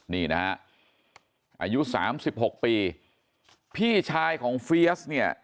นี่นะฮะอายุ๓๖ปีพี่ชายของเฟียสเนี่ย